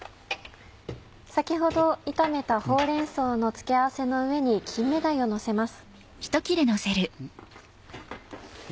先ほど炒めたほうれん草の付け合わせの上に金目鯛をのせます。